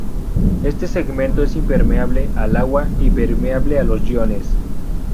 Este segmento es impermeable al agua y permeable a los iones.